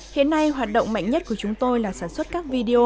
hiện nay hoạt động mạnh nhất của chúng tôi là sản xuất các video